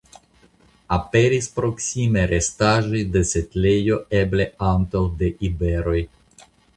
Aperis proksime restaĵoj de setlejo eble antaŭ de iberoj.